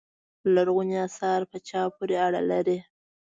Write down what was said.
لرغونو اثار په چا پورې اړه لري.